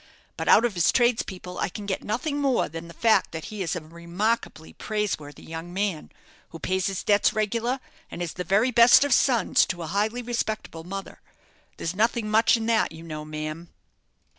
But out of his tradespeople I can get nothing more than the fact that he is a remarkably praiseworthy young man, who pays his debts regular, and is the very best of sons to a highly respectable mother. There's nothing much in that, you know, ma'am."